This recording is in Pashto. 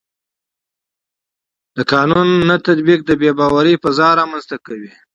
د قانون نه تطبیق د بې باورۍ فضا رامنځته کوي